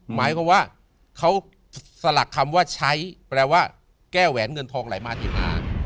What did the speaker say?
หมายความว่าเขาสลักคำว่าใช้แปลว่าแก้แหวนเงินทองไหลมาเทมา